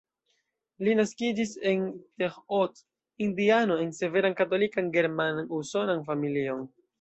Li naskiĝis en Terre Haute, Indiano, en severan Katolikan German-Usonan familion.